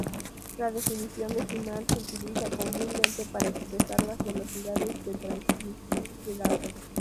La definición decimal se utiliza comúnmente para expresar las velocidades de transmisión de datos.